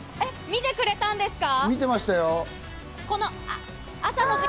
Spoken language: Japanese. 見てくれたんですか？